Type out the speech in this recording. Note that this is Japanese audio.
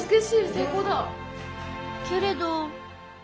けれど。